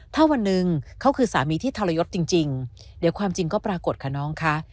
ถ้าวันหนึ่งเขาคือสามีที่ทรยศจริงเดี๋ยวความจริงก็ปรากฏค่ะน้องคะ